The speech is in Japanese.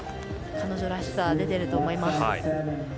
彼女らしさ、出ていると思います。